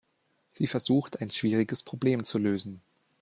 Sie versucht, ein schwieriges Problem zu lösen.